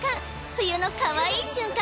冬のかわいい瞬間